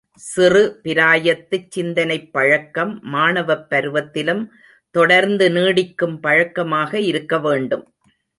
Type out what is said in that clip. சிறு பிராயத்துச் சிந்தனைப் பழக்கம் மாணவப் பருவத்திலும் தொடர்ந்து நீடிக்கும் பழக்கமாக இருக்க வேண்டும்.